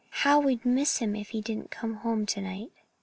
How we'd miss him if he didn't come home tonight."